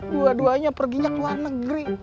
dua duanya perginya ke luar negeri